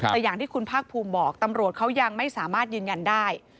แต่อย่างที่คุณภาคภูมิบอกตำรวจเขายังไม่สามารถยืนยันได้